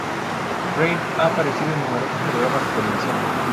Reid ha aparecido en numerosos programas de televisión.